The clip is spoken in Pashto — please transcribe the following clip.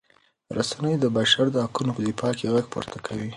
رسنۍ د بشر د حقونو په دفاع کې غږ پورته کوي.